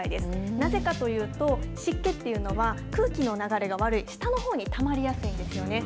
なぜかというと、湿気というのは空気の流れが悪い、下のほうにたまりやすいんですよね。